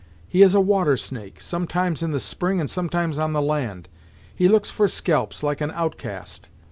He is a water snake; sometimes in the spring and sometimes on the land. He looks for scalps, like an outcast.